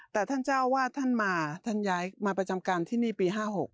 แต่ท่านเจ้าวาดท่านมาท่านย้ายมาประจำการที่นี่ปี๕๖